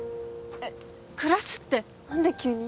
え暮らすって何で急に？